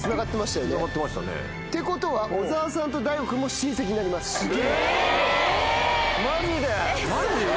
ってことは小澤さんとＤＡＩＧＯ君も親戚になります。